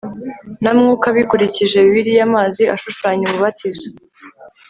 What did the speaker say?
na Mwuka bikurikije Bibiliya Amazi ashushanya umubatizo